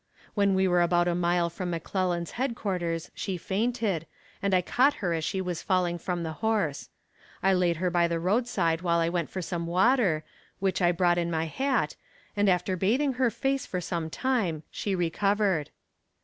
When we were about a mile from McClellan's headquarters she fainted, and I caught her as she was falling from the horse. I laid her by the roadside while I went for some water, which I brought in my hat, and after bathing her face for some time she recovered.